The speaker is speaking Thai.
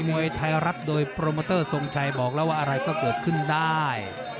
ยอดหมวยรับโดยโปรแมตเตอร์ส่งชัยบอกแล้วว่าอะไรก็ตรงขึ้นได้